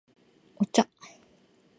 お茶